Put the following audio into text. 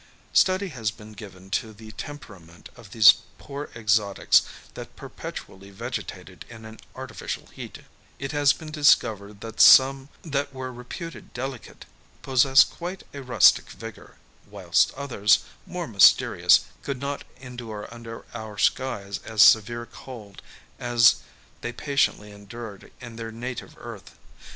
Study has been given to the temperament of these poor exotics that perpetually vegetated in an artificial heat ; it has been discovered that some that were reputed delicate possess quite a rustic vigour, whilst others, more mysteri ous, could not endure under our skies as severe cold as they patiently endured in their native earth.